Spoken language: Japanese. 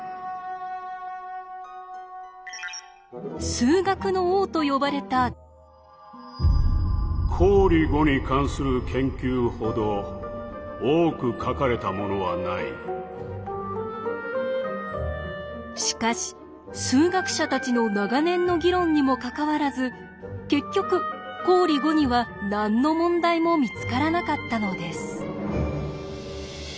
数学の王と呼ばれた１９世紀の数学者ガウスもしかし数学者たちの長年の議論にもかかわらず結局公理５には何の問題も見つからなかったのです。